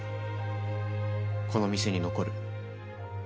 この店に残る。